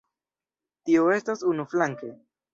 Tio estas unuflanke.